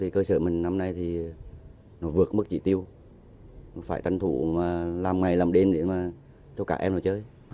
cơ sở mình năm nay vượt mức trị tiêu phải tranh thủ làm ngày làm đêm để cho cả em chơi